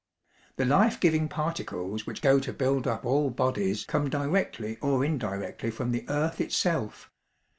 "The life giving particles which go to build up all bodies come directly or indirectly from the earth itself.